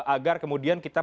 agar kemudian kita